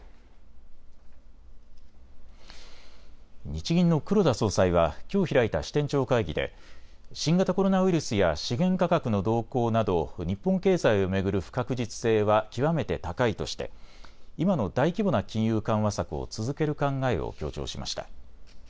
日銀の黒田総裁はきょう開いた支店長会議で新型コロナウイルスや資源価格の動向など日本経済を巡る不確実性は極めて高いとして今の大規模な金融緩和策を続ける考えを強調しました。